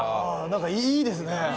「なんかいいですね」